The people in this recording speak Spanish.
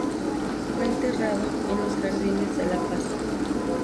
Fue enterrado en los Jardines de la Paz.